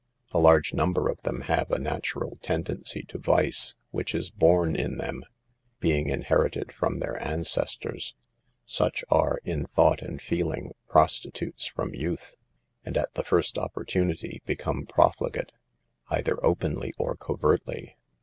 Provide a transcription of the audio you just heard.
A large number of them have a natural tendency to vice, which is born in them, being inherited from their ancestors. Such are, in thought and feeling, prostitutes from youth, and, at. the first opportunity, be come profligate, either openly or covertly.